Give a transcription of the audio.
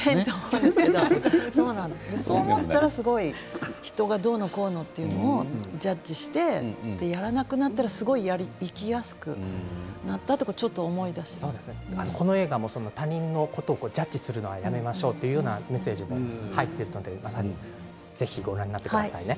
そう思ったら人がどうのこうのとジャッジしなくなったら生きやすくなったというかこの映画も他人のことをジャッジするのやめましょうというメッセージが入っているのでぜひご覧になってくださいね。